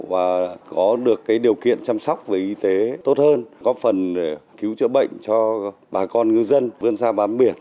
và có được điều kiện chăm sóc về y tế tốt hơn có phần để cứu trợ bệnh cho bà con ngư dân vươn xa bán biển